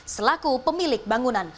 selaku pemilik bangunan